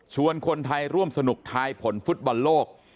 คนไทยร่วมสนุกทายผลฟุตบอลโลก